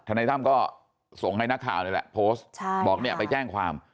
นายตั้มก็ส่งให้นักข่าวนี่แหละโพสต์บอกเนี่ยไปแจ้งความ